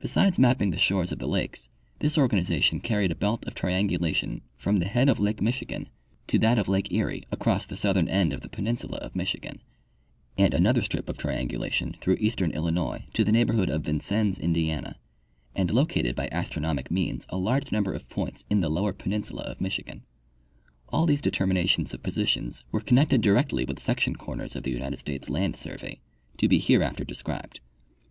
Besides mapping the shores of the lakes, this organization carried a belt of triangulation from the head of lake Michigan to that of lake Erie across the southern end of the peninsula of Michigan, and another strip of triangula tion through eastern Illinois to the neighborhood of Vincennes, Indiana, and located by astronomic means a large number of points in the lower peninsula of Michigan. All these determi nations of positions were connected directly with section corners of the United States Land survey, to be hereafter described.